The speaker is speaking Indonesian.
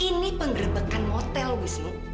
ini penggrebekan motel wiss